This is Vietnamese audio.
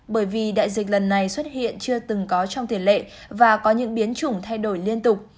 bởi vì đại dịch lần này xuất hiện chưa từng có trong tiền lệ và có những biến chủng thay đổi liên tục